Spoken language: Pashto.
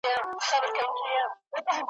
له سختو بریدونو سره مخ وه